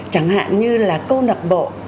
chẳng hạn như là câu nạp bộ